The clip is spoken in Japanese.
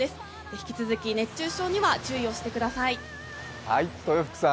引き続き熱中症には注意をしてください。